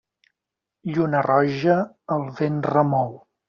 Lluna roja el vent remou.